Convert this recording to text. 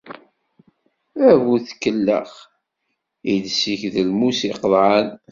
A bu tkellax! Iles-ik d lmus iqeḍɛen.